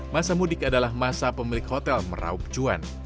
masa mudik adalah masa pemilik hotel meraup cuan